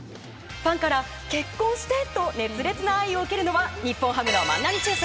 ファンから、結婚して！と熱烈な愛を受けるのは日本ハムの万波中正。